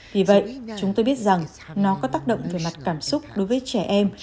vì vậy chúng tôi biết rằng nó có tác động về mặt cảm xúc đối với trẻ em